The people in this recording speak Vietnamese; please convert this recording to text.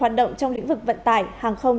hoạt động trong lĩnh vực vận tải hàng không